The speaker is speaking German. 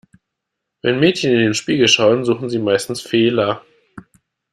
Wenn Mädchen in den Spiegel schauen, suchen sie meistens Fehler.